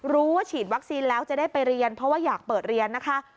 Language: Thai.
รู้ว่าฉีดวัคซีนแล้วจะได้ไปเรียนเพราะว่าอยากเปิดเรียนนะคะ